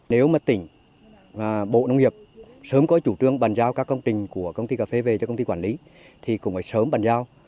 nếu mà tỉnh và bộ nông nghiệp sớm có chủ trương bàn giao các công trình của công ty cà phê về cho công ty quản lý thì cũng phải sớm bàn giao